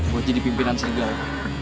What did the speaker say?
buat jadi pimpinan serigala